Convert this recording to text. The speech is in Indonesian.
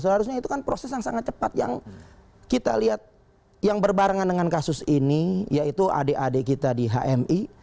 seharusnya itu kan proses yang sangat cepat yang kita lihat yang berbarengan dengan kasus ini yaitu adik adik kita di hmi